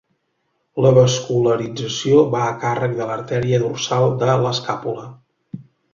La vascularització va a càrrec de l'artèria dorsal de l'escàpula.